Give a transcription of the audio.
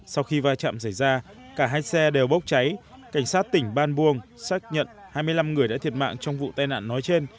sau khi va chạm xảy ra cả hai xe đều bốc cháy cảnh sát tỉnh ban buông xác nhận hai mươi năm người đã thiệt mạng trong vụ tai nạn nói trên